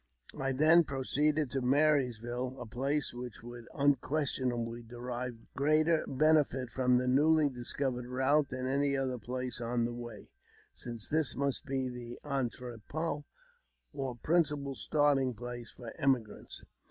I then proceeded to Marysville, a place which would unquestionably derive greater benefit from the newly discovered route than any other place on the way, since this must be the intrepot or principal starting place for emigrants.